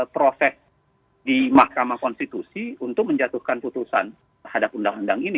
proses di mahkamah konstitusi untuk menjatuhkan putusan terhadap undang undang ini